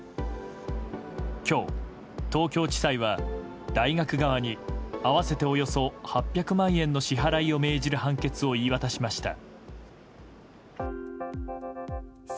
今日、東京地裁は大学側に合わせておよそ８００万円の支払いを命じる判決を言い渡しました。